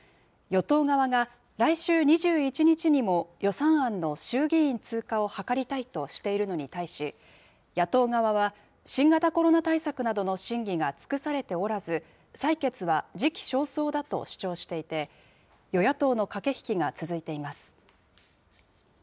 与党側が、来週２１日にも、予算案の衆議院通過を図りたいとしているのに対し、野党側は、新型コロナ対策などの審議が尽くされておらず、採決は時期尚早だと主張していて、与野党の駆け引きが続いています。